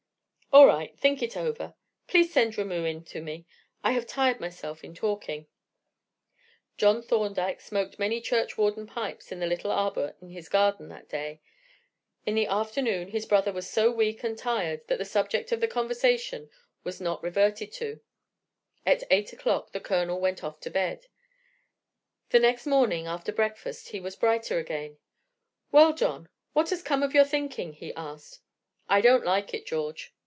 "All right; think it over. Please send Ramoo in to me; I have tired myself in talking." John Thorndyke smoked many churchwarden pipes in the little arbor in his garden that day. In the afternoon his brother was so weak and tired that the subject of the conversation was not reverted to. At eight o'clock the Colonel went off to bed. The next morning, after breakfast, he was brighter again. "Well, John, what has come of your thinking?" he asked. "I don't like it, George."